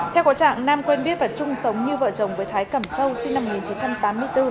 theo có trạng nam quen biết và chung sống như vợ chồng với thái cẩm châu sinh năm một nghìn chín trăm tám mươi bốn